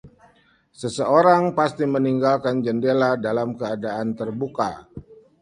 Seseorang pasti meninggalkan jendela dalam keadaan terbuka.